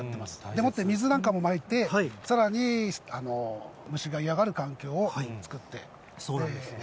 でもって、水なんかもまいて、さらに虫が嫌がる環境を作って、それでね。